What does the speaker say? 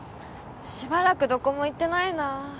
しばらくどこも行ってないな。